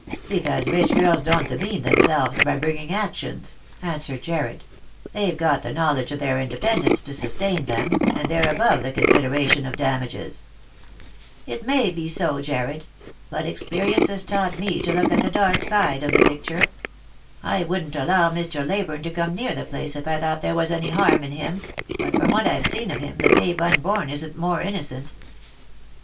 " Because rich girls don't demean themselves by bringing actions,'' answered Jarred; " they've got the knowledge of their independence to sustain them, and they're above the considera tion of damages." " It may be bo, Jarred ; but experience has taught me to look 82 Lost for Love. at the dark side of the picture. I wouldn't allow Mr. Leyburne to come near the place if I thought there was any harm in him ; but from what I've seen of him the babe unborn isn't more innocent."